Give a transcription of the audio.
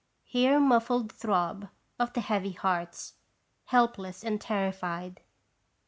Hear muffled throb of the heavy hearts, helpless and terrified.